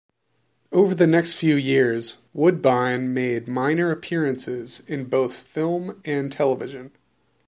Over the next few years, Woodbine made minor appearances in both film and television.